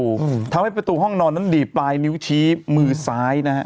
อืมทำให้ประตูห้องนอนนั้นดีดปลายนิ้วชี้มือซ้ายนะฮะ